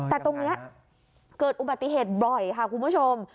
แต่ตรงนี้เกิดอุบัติเหตุบ่อยค่ะคุณผู้ชม